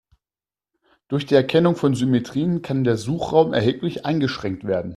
Durch die Erkennung von Symmetrien kann der Suchraum erheblich eingeschränkt werden.